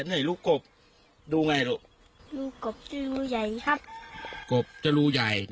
แล้วลูกกบล่ะครับลูกกบไหมลูก